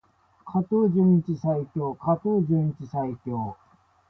加藤純一最強！加藤純一最強！